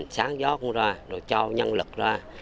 sáng gió cũng ra cho nhân lực ra